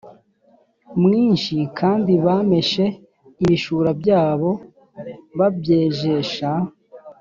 mwinshi kandi bameshe ibishura byabo babyejesha